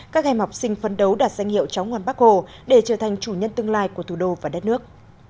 các em học sinh phân đấu đạt danh hiệu cháu ngoan bác hồ để trở thành chủ nhân tương lai của thủ đô và đất nước